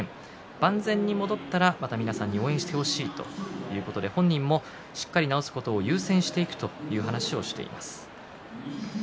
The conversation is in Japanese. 万全に戻ったらまた皆さんに応援してほしいということで本人もしっかり治すことを優先していくという話をしています。